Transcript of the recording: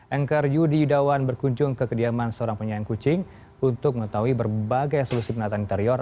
anchor yudi yudawan berkunjung ke kediaman seorang penyayang kucing untuk mengetahui berbagai solusi penataan interior